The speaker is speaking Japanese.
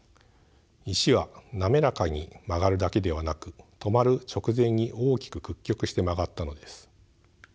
石は滑らかに曲がるだけではなく止まる直前に大きく屈曲して曲がったのです。